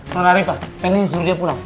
nona riva pengen disuruh dia pulang